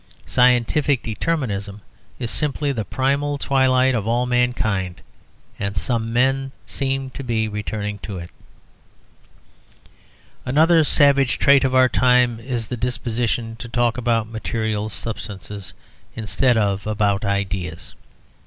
Scientific determinism is simply the primal twilight of all mankind; and some men seem to be returning to it. Another savage trait of our time is the disposition to talk about material substances instead of about ideas.